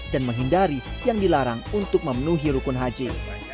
menghindari yang dilarang untuk memenuhi rukun haji